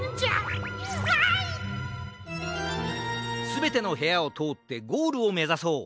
すべてのへやをとおってゴールをめざそう！